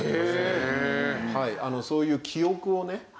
そういう記憶をね